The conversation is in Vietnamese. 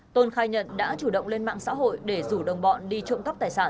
tôn khai nhận đã chủ động lên mạng xã hội để rủ đồng bọn đi trộm cắp tài sản